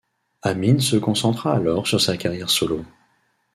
Amine se concentra alors sur sa carrière solo.